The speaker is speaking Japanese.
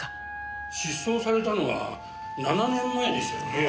失踪されたのは７年前でしたよね。